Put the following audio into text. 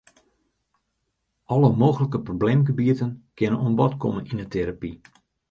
Alle mooglike probleemgebieten kinne oan bod komme yn 'e terapy.